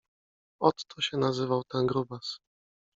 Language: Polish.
Otto się nazywał ten grubas.